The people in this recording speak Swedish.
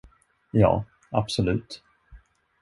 Ja, absolut.